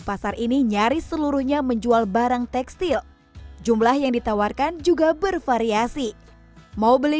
pasar ini nyaris seluruhnya menjual barang tekstil jumlah yang ditawarkan juga bervariasi mau beli